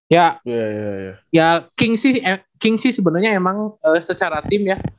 ya kings sih sebenarnya emang secara tim ya